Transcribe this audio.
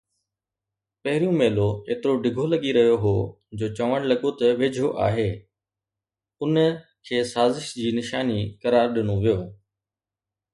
پهريون ميلو ايترو ڊگهو لڳي رهيو هو، جو چوڻ لڳو ته ويجهو آهي، ان کي سازش جي نشاني قرار ڏنو ويو